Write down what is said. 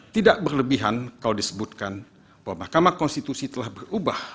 tidak berlebihan kalau disebutkan bahwa mahkamah konstitusi telah berubah